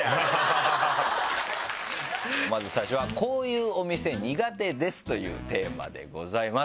まず最初は「こういうお店苦手です」というテーマでございます。